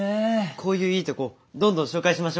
こういういいとこどんどん紹介しましょ。